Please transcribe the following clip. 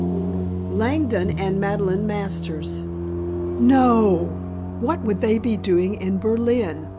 "Langdon and Madeleine Masters." "No! What would they be doing in Berlin?"